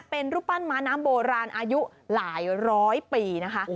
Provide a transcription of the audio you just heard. เป็นรูปปั้นม้าน้ำโบราณอายุหลายร้อยปีนะคะ